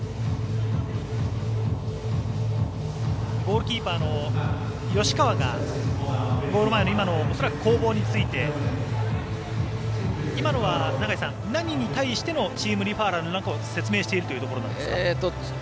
ゴールキーパーの吉川がゴール前の攻防について今のは、何に対してのチームリファーラルだと説明しているということですか？